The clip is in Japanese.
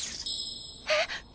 えっ！？